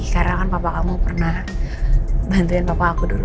karena kan papa kamu pernah bantuin papa aku dulu